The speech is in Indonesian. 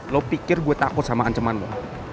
lo pikir gue takut sama ancaman lo